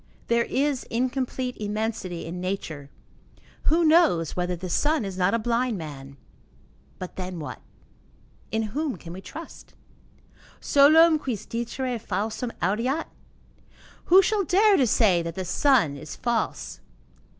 There is incomplete immensity in nature. Who knows whether the sun is not a blind man? But then, what? In whom can we trust? Solem quis dicere falsum audeat? Who shall dare to say that the sun is false?